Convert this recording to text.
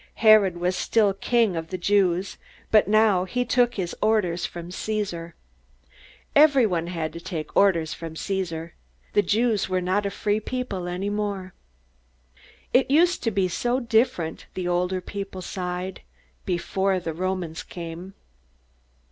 Herod was still king of the Jews, but now he took his orders from Caesar. Everybody had to take orders from Caesar. The Jews were not a free people any more. "It used to be so different," the older people sighed, "before the Romans came."